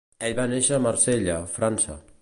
Ell va néixer a Marsella, França.